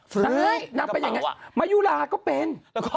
เฟ้ยนับไปอย่างนี้มายุราชก็เป็น